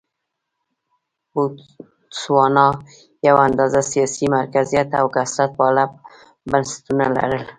بوتسوانا یو اندازه سیاسي مرکزیت او کثرت پاله بنسټونه لرل.